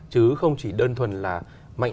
chứ không chỉ đơn thuần là mạnh